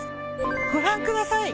ご覧ください。